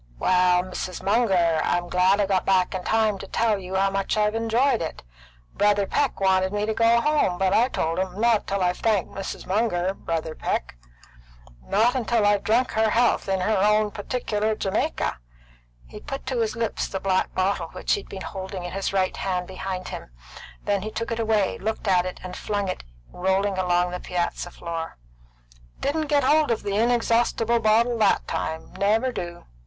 "Well, Mrs. Munger, I'm glad I got back in time to tell you how much I've enjoyed it. Brother Peck wanted me to go home, but I told him, Not till I've thanked Mrs. Munger, Brother Peck; not till I've drunk her health in her own old particular Jamaica." He put to his lips the black bottle which he had been holding in his right hand behind him; then he took it away, looked at it, and flung it rolling along the piazza floor. "Didn't get hold of the inexhaustible bottle that time; never do.